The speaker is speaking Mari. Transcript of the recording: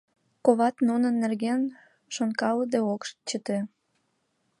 Коват нунын нерген шонкалыде ок чыте.